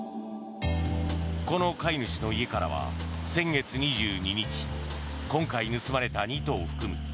この飼い主の家からは先月２２日今回盗まれた２頭を含む